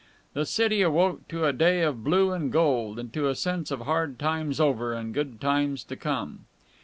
The city awoke to a day of blue and gold and to a sense of hard times over and good times to come.